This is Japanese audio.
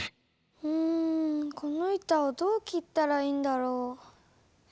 うんこの板をどう切ったらいいんだろう？